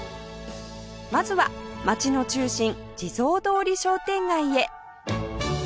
まずは街の中心地蔵通り商店街へ